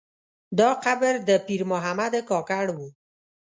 دا قبر د پیر محمد کاکړ و.